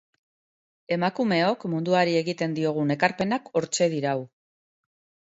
Emakumeok munduari egiten diogun ekarpenak hortxe dirau.